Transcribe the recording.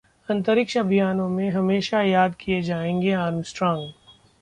अंतरिक्ष अभियानों में हमेशा याद किए जाएंगे आर्मस्ट्रांग